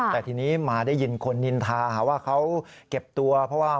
แต่ทีนี้มาได้ยินคนนินทาหาว่าเขาเก็บตัวเพราะว่า